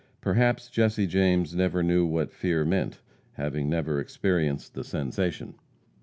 Perhaps Jesse James never knew what fear meant, having never experienced the sensation.